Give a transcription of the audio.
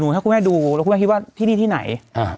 ถ้าคุณแม่ดูแล้วคุณแม่คิดว่าที่นี่ที่ไหน